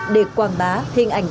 để quảng bá hình ảnh đất nước